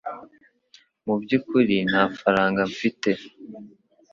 Mu byukuri nta faranga mfite